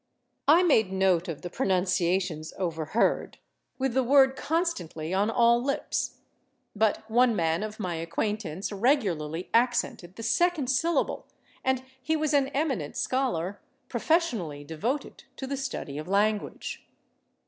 I made note of the pronunciations overheard, with the word constantly on all lips. But one man of my acquaintance regularly accented the second syllable, and he was an eminent scholar, professionally devoted to the study of language.